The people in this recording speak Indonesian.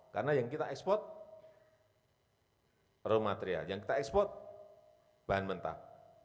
karena yang kita ekspor raw material yang kita ekspor bahan mentah